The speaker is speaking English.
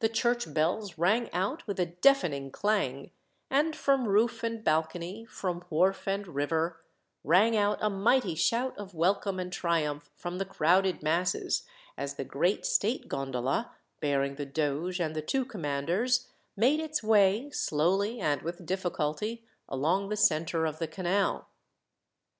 The church bells rang out with a deafening clang, and from roof and balcony, from wharf and river, rang out a mighty shout of welcome and triumph from the crowded mass, as the great state gondola, bearing the doge and the two commanders, made its way, slowly and with difficulty, along the centre of the canal.